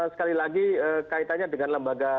sekali lagi kaitannya dengan lembaga